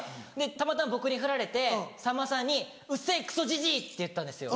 たまたま僕にふられてさんまさんに「うっせぇクソじじい！」って言ったんですよ。